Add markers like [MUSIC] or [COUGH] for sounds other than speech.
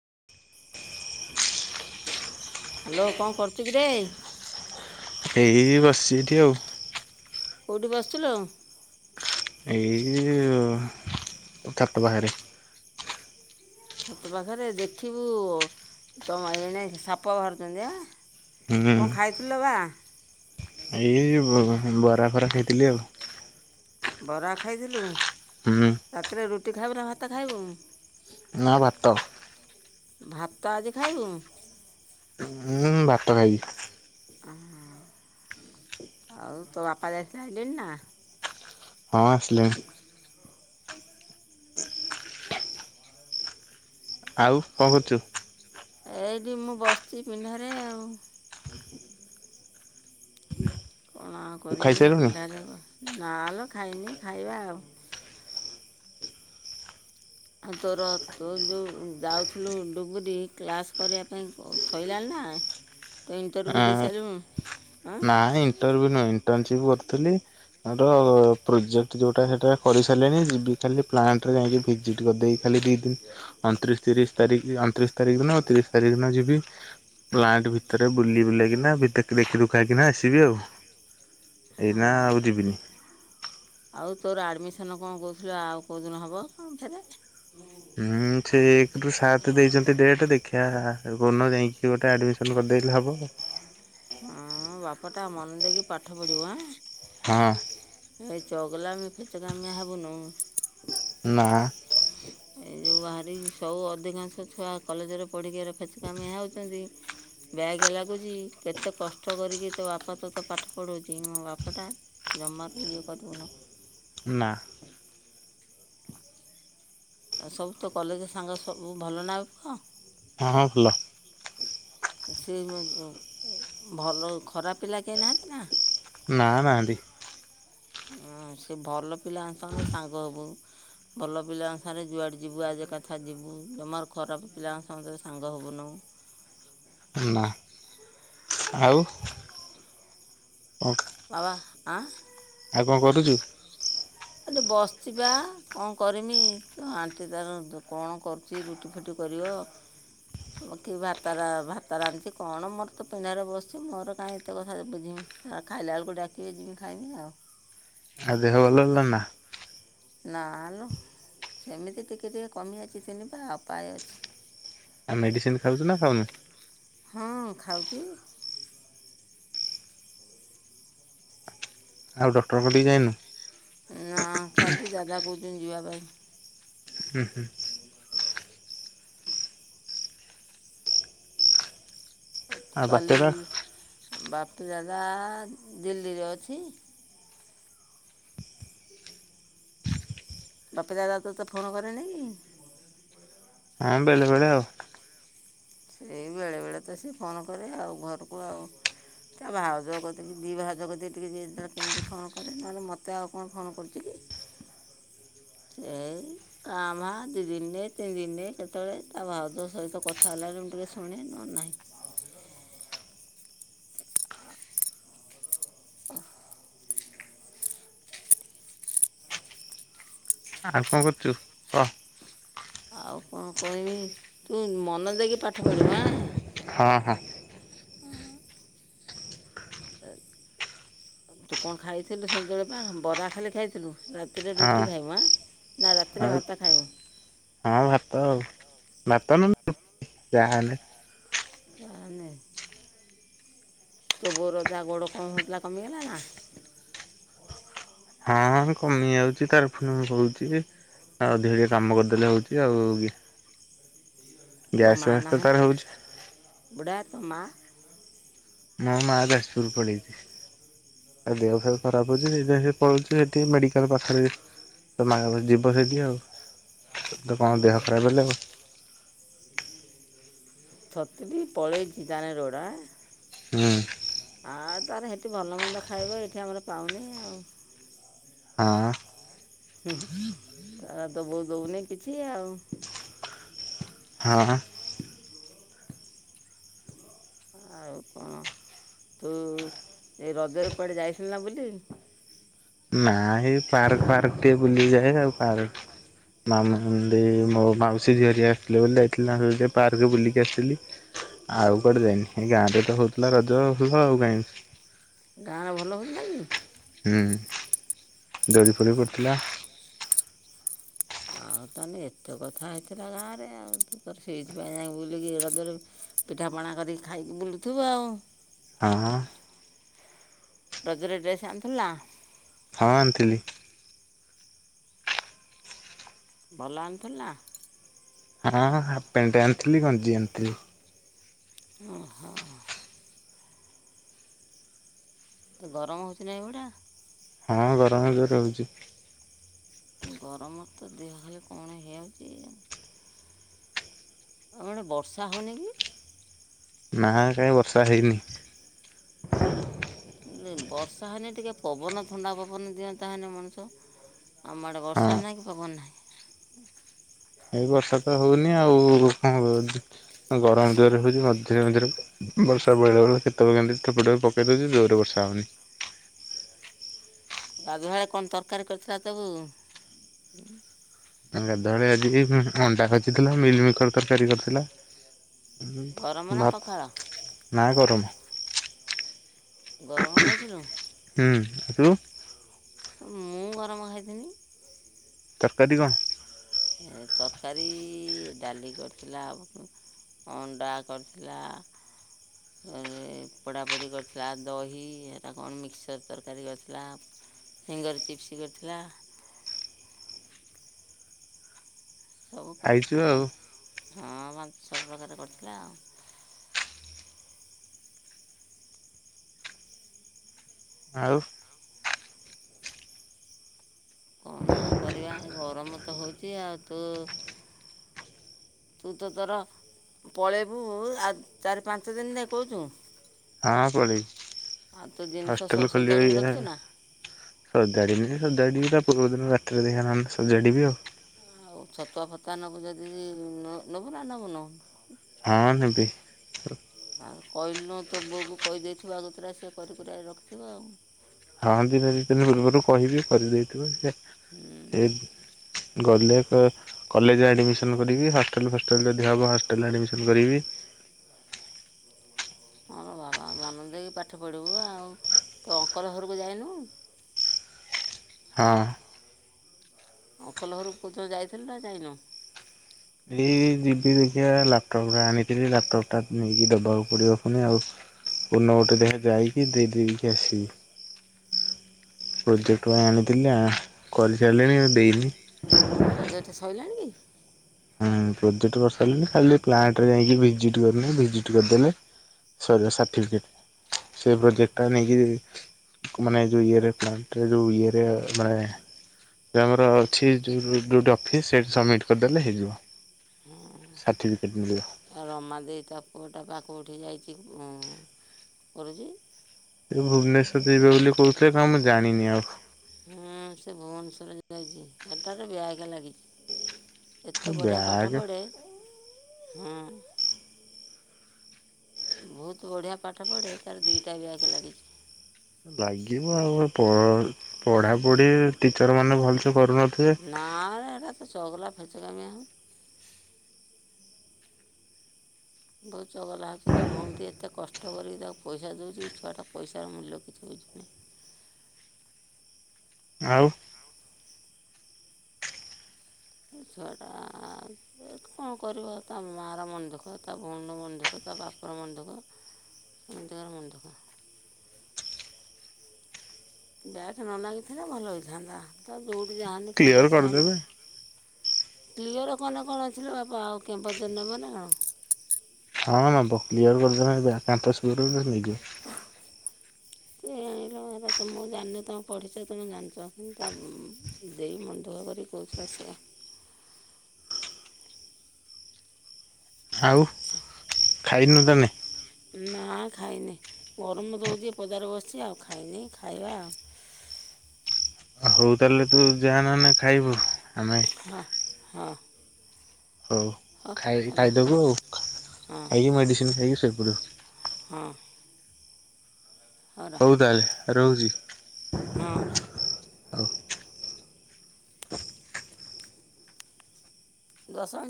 [INAUDIBLE] Hello କ'ଣ କରୁଛୁ କିରେ। ଏଇ ବସିଚି ଏଠି ଆଉ କୋଉଠି ବସିଥିଲୁ। ଏଇ [INAUDIBLE] ଛାଟ ବାହାରେ। ଛତ ପାଖରେ ଦେଖିବୁ ତମ ଏଣେ ସାପ ବାହାରୁଛନ୍ତି। ହେଁ ହୁଁ କ'ଣ ଖାଇଥିଲ ବା ଏଇ ବରା ଫରା ଖାଇଥିଲି। ଆଉ ବରା ଖାଇଥିଲୁ, ହୁଁ ରାତିରେ ରୁଟି ଖାଇବୁ ନା ଭାତ ଖାଇବୁ? ନ ଭାତ ଭାତ ଆଜି ଖାଇବୁ? ହୁଁ ଭାତ ଖାଇବି। [INAUDIBLE] ହ ଆଉ ତ ବାପା ଯାଇଥିଲେ ଆଇଲେଣି ନା? ହଁ ଆସିଲେଣି। ଆଉ କହୁଛୁ? ଏଇଠି ମୁଁ ବସିଛି ପିଣ୍ଡାରେ ଆଉ କଣ କରିମି ଖାଇସାରିଲୁଣି? ପିଣ୍ଡାରେ ନା ଖାଇନି ଖାଇବା ଆଉ ଆଉ ତୋର ତୁ ଯେଉ ଯାଉଥିଲୁ ଡୁବରିୀ କ୍ଲାସ୍ କରିବା ପାଇଁ କଂ ସଇଲାଣି ନା। [INAUDIBLE] ତ ଇଣ୍ଟରବ୍ୟୁ ଦେଇ ସାରିଲୁନୁ? ନାଇଁ ନାଇଁ ଇଣ୍ଟରଭ୍ୟୁ ନୁହେଁ ଇଣ୍ଟନସିପ କରୁଥିଲି। ଆ ପ୍ରୋଜେକ୍ଟ ଯୋଉଟା ସେଟା କରିସାରିଲିଣି ଯ ଖାଲି ପ୍ଲାଣ୍ଟ ରେ ଯାଇକି ଭିଜିଟ କରିଦେଇ- ଦି ଦିନ ଅଣତିରିଶ ତିରିଶ ତାରିଖ ଅଣତିରିଶ ତାରିଖ ଦିନ ତିରିଶ ତାରିଖ ଦିନ ଯିବି। ପ୍ଲାଣ୍ଟ ଭିତରେ ବୁଲିବୁଲାକିନା ଭିତ ଦେଖି- ଖାଇକିନା ଆସିବି ଆଉ। ଏଇନା ହଁ ଆଉ ଯିବିନି। ଆଉ ତୋର ଆଡ଼ମିସନ କ ଣ କହୁଥିଲ? ଆଉ କେଉଁଦିନ ହେବ କଣ? ହୁଁ ସେ ଏକ ରୁ ସାତ ଦେଇଛନ୍ତି ଡେଟ ଦେଖିବା କଉଦିନ ଯାଇକି। ସେ ଗୋଟେ ଆଡ଼ମିସନ୍ କରିଦେବି ବୋଲି ଭାବୁଛି। ତା ମନ ଦେଇକି ପାଠ ପଢ଼ିବ ଆଁ। ହଁ ଏ ଚଗଲାମି ଫେଚକାମିଆ ହବୁନୁ। [UNINTELLIGIBLE] ଯେଉଁ ବାହାରି ସଉ ଅଧିକାଂଶ ଛୁଆ କଲେଜରେ ପଢ଼ିକିରି ଫେଚକାମିଆ ହେଉଛନ୍ତି। ବ୍ୟାଗ ଲାଗୁଛି। କେତେ କଷ୍ଟ କରିକି ତୋ ବାପା ତ ତୋତେ ପାଠ ପଢଉଛି। ମୋ ବାପା ଟା। ଜମା ଇଏ କରିବୁନି। ନା। ସବୁ ତ କଲେଜ ସାଙ୍ଗ ସବୁ ଭଲନା ଆଉ ପୁଅ। ହଁ ହଁ ଭଲ। ତ ସେ ବୟସର ଭଲ ଖରାପ ପିଲା କେହି ନାହାନ୍ତି ନା।? ନା ନାହାନ୍ତି। ହୁଁ ସେ ଭଲ ପିଲାଙ୍କ ସହିତ ସାଙ୍ଗ ହବୁ। ଭଲ ପିଲା ଅନୁସାରେ ଯୁଆଡ଼େ ଯିବୁ ଆଜ କଥା ଯିବୁ ଜମାରୁ ଖରାପ ପିଲାଙ୍କ ସହିତ ସାଙ୍ଗ ହେବୁନୁ। ନା ଆଉ। କ ବାବା ଆଁ ଆଉ କଣ କରୁଛୁ? ଏଠି ବସିଛି ପା କଣ କରିମି ଆଣ୍ଟି ତାର କଣ କରୁଛି ରୁଟି ଫୁଟି କରିବ। [INAUDIBLE] କି ଭାତ ଭାତ ରାନ୍ଧଛି କଣ ମୋର ତ ପିଣ୍ଡାରେ ବସିଛି ମୋର କାହିଁ ଏତେ କଥା ବୁଝୀମି। ଆଁ ଖାଇଲା ବେଳକୁ ଡାକିବେ ଯିବି ଖାଇମି ଆଉ। ଆ ଦେହ ଭଲ ହେଲାନି ନା? ନା ନା ସେମିତି ଟିକେ ଟିକେ କମି ଅଛି ଚନିବା ଉପାୟ ଅଛି। ଆଉ ମେଡିସିନ ଖାଉଛୁ ନା ଖାଉନୁ? ହଁ ଖାଉଛି। ଆଉ ଡକ୍ଟରଙ୍କ ଠିକୁ ଯାଇନୁ? ନା କାଲି ଯାଗା କହୁଛନ୍ତି ଯିବା ପାଇଁ। ହୁଁ ହୁଁ। ଆଉ କାଲି ବାତେରା ବାପୁ ଦାଦା ଦିଲ୍ଲୀରେ ଅଛି। ବାପି ଦାଦା ତୋତେ ଫୋନ କରେନି କି? ହଁ ବେଳେ ବେଳେ ଆଉ। ସେ ବେଳେବେେଳେ ତ ସେ ଫୋନ୍ କରେ ଆଉ ଘରକୁ ଆଉ। ତା ଭାଉଜ କତିକି ଦୁଇ ଭାଉଜ କରି ଟିକେ ଯଲେ କେମିତି ଫୋନ କଲେ ନହେଲେ ମୋତେ ଆଉ କଣ ଫୋନ୍ କରୁଛି କି। ସେ କାମ ଦୁଇ ଦିନରେ ତିନି ଦିନରେ କେତେବେଳେ ତା ଭାଉଜ ସହିତ କଥା ହେଲାଣି। ଶୁଣ ନ ହେଲେ ନାହିଁ। ଆଉ କଣ କରୁଛୁ କହ? ଆଉ କଣ କହିବି ତୁ ମନ ଦେଇକି ପାଠ ପଢିବୁ ଆଁ। ହଁ ହଁ। ତୁ କଣ ଖାଇଥିଲୁ ସଞ୍ଜବେଳେ ପା ବରା ଖାଲି ଖାଇଥିଲୁ। ରାତିରେ ହଁ ରୁଟି ଖାଇବ ଆ ନା ରାତିରେ ଆଉ ଭାତ ଖାଇବ? ହଁ ଭାତ ଆଉ ଭାତ ନ ଯାହା ହେଲେ। ଆମେ ତୋ ବୋଉ ଯା ଗୋଡ଼ କଣ ହୋଉଥିଲା କମିଗଲା ନା? ହଁ କମି ଯାଉଛି ତାରଫରୁଁ ହଉଛି। ଆଉ ଦି ଟିକେ କାମ କରିଦେଲେ ହଉଛି ଆଉ ତୋ ଗ୍ୟାସ ମା ବ୍ୟବସ୍ଥା ନାହାନ୍ତି ତାର ହଉଛି। ବୁଢ଼ା ତୋ ମା? ମୋ ମା ଯାଜପୁର ପଳେଇଛି। ଆ ଦେହ ପେହ ଖରାପ ହେଉଛି ସେଇଥି ପାଇଁ ସେ ପଳଉଛି ସେଠି ମେଡିକାଲ ପାଖରେ। ଯିବ ଯଦି କଣ ଦେହ ଖରାପ ହେଲେ। [UNINTELLIGIBLE] ପଳେଇଛି ତାହେଲେ ରୋଗ ଆ। ହୁଁ। ତୋର ସେଠି ଭଲମନ୍ଦ ଖାଇବ ଏଠି ଆମର ପାଉନୁ ଆଉ। ହଁ। ତୋ ବୋଉ ଦଉନି କିଛି। ହଁ। ଆଉ କଣ? ତୁ ଏଇ ରଜରେ କୁଆଡେ ଯାଇଥିଲୁ ବୁଲି? ନା ଏଇ ପାର୍କ ଫାର୍କ ଟିକେ ବୁଲିଯାଏ ଆଉ ମାଉସୀ ଝିଅ ଆସିଥିଲେ ବୋଲି ଯାଇଥିଲି ପାର୍କ ବୁଲିକି ଆସିଥିଲି। ଆଉ କୁଆଡେ ଯାଇନି, ଏଇ ଗାଁରେ ତ ହଉଥିଲା ରଜ ପର୍ବ। ଗାଁରେ ଭଲ ହୁଅଥିଲା କି? ହୁଁ ଦୋଳି ଫୋଳି ପଡ଼ିଥିଲା। ଆଉ ତାହେଲେ ଏତେ କଥା ହେଇଥିଲା ଗାଁରେ? ଆଉ ତୁ ସେଇଥିପାଇଁ ଯାଇ ବୁଲିକି ପିଠା ପଣା ପଣା କରିକି ଖାଇକି ବୁଲୁଥିବୁ ଆଉ? ହଁ ରଜରେ ଡ୍ରେସ ଆଣିଥିଲୁ ନା? ହଁ ଆଣିଥିଲି। ଭଲ ଆଣିଥିଲୁ ନା? ହାଫ୍ ପ୍ୟାଣ୍ଟ୍ ଆଣିଥିଲି ଗଞ୍ଜି ଆଣିଥିଲି। ଓ ହୋ। ଗରମ ହଉଚି ନା ଏ ବୁଢ଼ା? ହଁ ଗରମ ହଉଚି। ଗରମରେ ଦେହ କଣ ହେଇଯାଉଛି? ବର୍ଷା ହଉନି କି? ନା ବର୍ଷା ହେଇନି। ବର୍ଷା ହେନେ ଟିକିଏ ପବନ ଥଣ୍ଡା ପବନ ହୁଅନ୍ତା ମଣିଷ ଆମ ଆଡ଼େ ହଁ। ବର୍ଷା ନାହିଁ କି ପବନ ନାହିଁ। ଏଇ ବର୍ଷା ତ ହଉନି ଆଉ ଗରମ ହଉଛି। ବର୍ଷା ହଉନି, କେତେବେଳେ କେମିତି ହଉଚି। ଗାଧୁଆ ବେଳେ କଣ ତରକାରୀ କରିଥିଲା ତୋ ବୋଉ? ଆଜି ଅଣ୍ଡା ଭାଜି ଥିଲା ମିଲ୍ ମେକର୍ ତରକାରୀ କରିଥିଲା। ଗରମ ନା ପଖାଳ ନା ଗରମ। ଗରମ ଖାଇଥିଲୁ? ହୁଁ ତୁ? ମୁଁ ଗରମ ଖାଇଥିଲି। ତରକାରୀ କଣ? ତରକାରୀ, ଡାଲି କରିଥିଲା। ଅଣ୍ଡା କରିଥିଲା। ଦହି, ମିକ୍ଚର ତରକାରୀ କରିଥିଲା। ଫିଙ୍ଗର୍ ଚିପ୍ସ କରିଥିଲା। ସବୁ ଖାଇଛୁ କରିଥିଲା ପା ଆଉ ହଃ ସବୁ ପ୍ରକାର କରିଥିଲା। ଆଉ? କଣ ଆଉ କରିବା ଗରମ ତ ହୋଉଛି ଆଉ ତୁ ତୁ ତୋର ପଳେଇବୁ ଆଉ ଚାରି ପାଞ୍ଚ ଦିନ ଯାକ କହୁଛୁ। ହଁ ଆଉ ତୁ ପଳେଇବି। ଜିନିଷ ସବୁ ହଷ୍ଟେଲ ଖୋଲିବ ସଜାଡ଼ିକି ଯାହା ରଖିଛୁ ନା ସଦଡ଼ି ସଜାଡ଼ିବି। ପୂର୍ବ ଦିନ ରାତିରେ ଦେଖିଆ ନହେଲେ ସଜାଡ଼ିବି ଆଉ। ଆଉ ଛତୁଆ ଫତୁଆ ନେବୁ ଯଦି ନେବୁ ନା ନବୁନ? ହଁ ହେନ୍ତି। ତ ବୋଉ କୁ କହିଦେଇଥିବୁ ଆଗତୁରିଆ ସେ କରିି କୁରାକି ରଖିଥିବ ଆଉ। ହଁ ଦିନ ଦୁଇ ଦିନ ପୂର୍ବରୁ କହିବି କରିଦେଇଥିବ ସେ ଏ ଗଲେ କ କଲେଜ ଆଡ଼ମିସନ୍ କରିବି ହଷ୍ଟେଲ ଫଷ୍ଟେଲ୍ ଯଦି ହେବ ହଷ୍ଟେଲରେ ଆଡ଼ମିସନ୍ କରିବି। ହଁ ବାବା ମନ ଦେଇକି ପାଠ ପଢ଼ିବୁ ଆଉ ତ ଅଙ୍କଲ ଘରକୁ ଯାଇନୁ? ହଁ। ଅଙ୍କଲ ଘର କୁ କୋଉଦିନ ଯାଇଥିଲୁ ନା ଯାଇନୁ? ଏଇ ଯିବି ଦେଖଆ ଲ୍ୟାପଟପ ଟା ଆଣିଥିଲି ଲ୍ୟାପଟପ ଟା ନେଇକି ଦବା କି ପଡିବ ଫୁଣି ଆଉ। କୋଉଦିନ ଗୋଟେ ଦେଖା ଯାଇକି ଦେଇ ଦେଇେଇକି ଆସିବି। ପ୍ରୋଜେକ୍ଟ ପାଇଁ ଆଣିଥିଲି ଆ କରିସାରିଲିଣି ଦେଇନି। ପ୍ରୋଜେକ୍ଟ ସରିଲାଣି କି? ହଁ ପ୍ରୋଜେକ୍ଟ କରିସାରିଲଣି ଖାଲି ପ୍ଲାଣ୍ଟରେ ଯାଇକି ଭିଜିଟ୍ କରିନି ଭିଜିଟ୍ କରିଦେଲେ ସଇଲା ସାର୍ଟିଫିକେଟ ସେ ପ୍ରୋଜେକ୍ଟଟା ନେଇକି ମାନେ ଯୋଉ ଇଏ ପ୍ଲାଣ୍ଟରେ ଯୋଉ ଇଏରେ ମାନେ ସେ ଆମର ଅଛି ଯୋଉ ଅଫିସ୍ ସେଇଠି ସମିଟ୍ କରିଦେଲେ ହେଇଯିବ। କି ସାର୍ଟିଫିକେଟ୍ ମିଳିବ। ହଁ ରମା ଦେଇ ତା ପୁଅଟା ପା କୋଉଠି ଯାଇଚି କରୁଚି? ଭୁବନେଶ୍ଵର ଯିବେ ବୋଲି କହୁଥିଲେ କଣ ମୁଁ ଜାଣିନି ଆଉ। ହୁଁ ସେ ଭୁବନେଶ୍ୱରରେ ଯାଇଚି ହେଟାରେ ବ୍ୟାକ୍ ଲାଗିଚି। ଏତେ ବଢିଆ ପାଠ ବ୍ୟାଗ ପଢ଼େ ହଁ। ବହୁତ ବଢ଼ିଆ ପାଠ ପଢ଼େ ତାର ଦୁଇଟା ବ୍ୟାକ୍ ଲାଗିଚି। ଲାଗିବ ଆଉ ପ୍ ପଢାପଢି ଟିଚର ମାନେ ଭଲସେ କରୁନଥିଲେ ନା ବେ ସେଟା ଚଗଲା ଫେଚକାମିଆ ହେ ବହୁତ ଚଗଲା ହେଉଚି ତା ଭଉଣି ଟି ଏତେ କଷ୍ଟ କରିକି ତାକୁ ପଇସା ଦଉଚି ଏ ଛୁଆ ଟା ପଇସାର ମୂଲ୍ୟ କିଛି ବୁ ଆଉ ସେ ଛୁଆଟା ଏ କଣ କରିବ ତା ମା ର ମନ ଦୁଃଖ ତା ଭଉଣୀର ମନେ ଦୁଃଖ ତା ବା ବାପା ର ମନ ଦୁଃଖ ସମସ୍ତଙ୍କ ମନ ଦୁଃଖ। ବ୍ୟାକ୍ ନ ଲାଗିଥିଲା ଭଲ ହେଇଥାନ୍ତା ତାର ଯେଉଠି ଜା ହେନେ କ୍ଲିୟର କ୍ୟାମ୍ପସ କରିଦେବେ। ଫମ୍ପସ କ୍ଳିଅର କନେ କଣ ଅଛି ଲୋ ବାପା ଆଉ କେମ୍ପାସ ନବ ନାଁ କଣ। ହଁ ନବ କ୍ଲିୟର କରିଦେନେ [UNINTELLIGIBLE] କ୍ୟାମ୍ପସ [UNINTELLIGIBLE] ନେଇଯିବ। କେ ଜାଣିଲୋ ମା ହେରା ତମ ମୁଁ ଜାନି ତମେ ପଢ଼ିଛ ତମେ ଜାଣିଚ ଉଁ ତା ଉଁ ଉଁ ତା ଦେଇ ମନ ଦୁଃଖ ଖ କରି କହୁଥିଲା ସେୟା। ଆଉ ଖାଇନୁ ତାନେ? ନା ଖାଇନି ଗରମ ତ ହୋଉଚି ପଦାରେ ବସିଚି ଆଉ ଖାଇନେଇ ଖାଇବା ଆଉ। ଆ ହଉ ତାହେଲେ ତୁ ଯା ନହଲେ ଖାଇବୁ ଆମେ ହଁ ହଁ। ହଉ ହଁ ଖାଇ ହଁ ରହ ଖାଇଦବୁ ହଁ ଖାଇକି ମେଡିସିନ ଖାଇକି ଶୋଇ ପଡ଼ିବୁ। ହଁ। ହଉ ତାହେଲେ ରହୁଚି। ହୁଁ। ହଉ। ଦଶ। [UNINTELLIGIBLE]